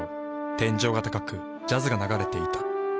天井が高くジャズが流れていた。